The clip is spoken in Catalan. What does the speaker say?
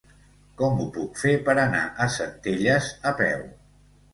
Com ho puc fer per anar a Centelles a peu?